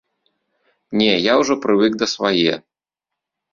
Не, я ўжо прывык да свае.